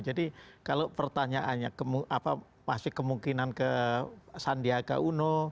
jadi kalau pertanyaannya pasti kemungkinan ke sandiaga uno